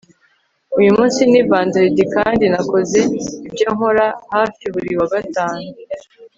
Uyu munsi ni vendredi kandi nakoze ibyo nkora hafi buri wa gatanu